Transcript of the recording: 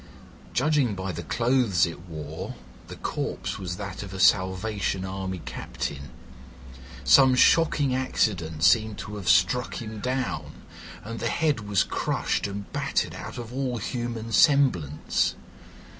"Judging by the clothes it wore, the corpse was that of a Salvation Army captain. Some shocking accident seemed to have struck him down, and the head was crushed and battered out of all human semblance.